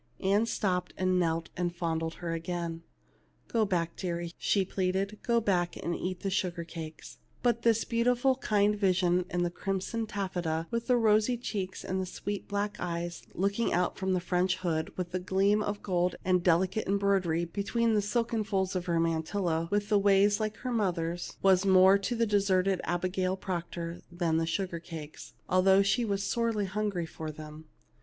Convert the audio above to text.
Ann stopped and knelt and fondled her again. " Go back, deary," she pleaded ;" go back, and eat the sugar cakes." But this beautiful kind vision in the crimson taffeta, with the rosy cheeks and sweet black eyes looking out from the French hood, with the gleam of gold and delicate embroidery between the silken folds of her mantilla, with the ways like her mother's, was more to little deserted Abigail Proctor than the sugar cakes, although she was sorely hungry for them.